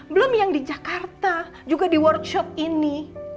belum yang di jakarta juga di workshop ini